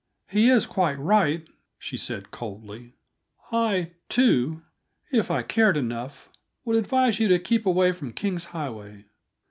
"He is quite right," she said coldly. "I, too if I cared enough would advise you to keep away from King's Highway."